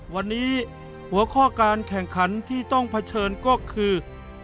วันนี้หัวข้อการแข่งขันที่ต้องเผชิญก็คือ